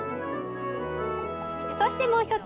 そして、もう１つ